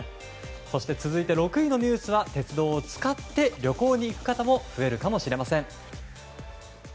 そして続いて６位のニュースは鉄道を使って旅行に行く方も増えるかもしれません。